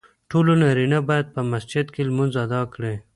ټولو نارینه باید په مسجد کې لمونځ ادا کړي .